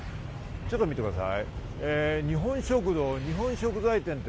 ちょっと見てください。